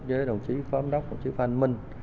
với đồng chí phó giám đốc đồng chí phan minh